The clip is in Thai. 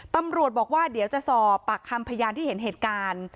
ตำรวจบอกว่าเดี๋ยวจะสอบปากคำพยานที่เห็นเหตุการณ์